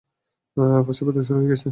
প্রসব ব্যথা শুরু হয়েছে।